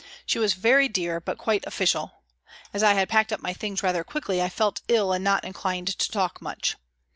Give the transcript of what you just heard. She was very dear but quite " official." As I had packed up my things rather quickly, I felt ill and not inclined to talk much.